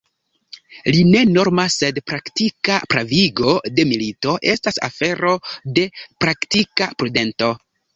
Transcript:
La ne norma, sed praktika pravigo de milito estas afero de praktika prudento.